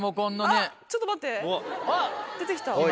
あっちょっと待って出て来た。